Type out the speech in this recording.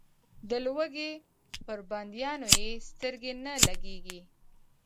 د لوږې پر بندیانو یې سترګې نه لګېږي.